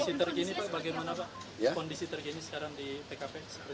kondisi terkini pak bagaimana pak kondisi terkini sekarang di tkp